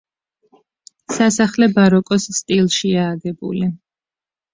სასახლე ბაროკოს სტილშია აგებული.